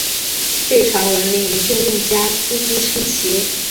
这个传闻令一众用家啧啧称奇！